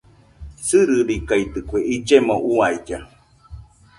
Sɨririkaidɨkue illemo uailla.